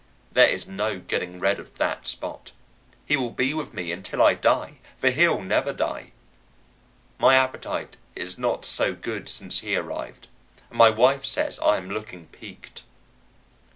There is no getting rid of that Spot. He will be with me until I die, for he'll never die. My appetite is not so good since he arrived, and my wife says I am looking peaked.